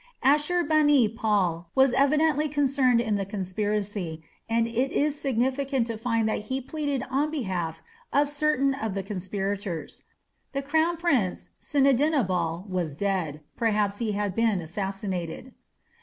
Ashur bani pal was evidently concerned in the conspiracy, and it is significant to find that he pleaded on behalf of certain of the conspirators. The crown prince Sinidinabal was dead: perhaps he had been assassinated.